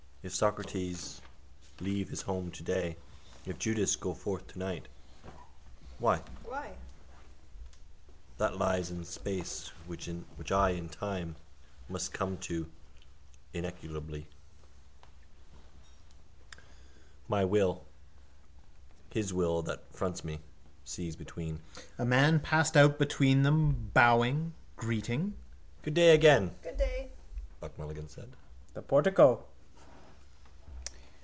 If Socrates leave his house today, if Judas go forth tonight. Why? That lies in space which I in time must come to, ineluctably. My will: his will that fronts me. Seas between. A man passed out between them, bowing, greeting. —Good day again, Buck Mulligan said. The portico.